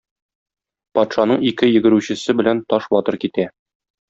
Патшаның ике йөгерүчесе белән Таш батыр китә.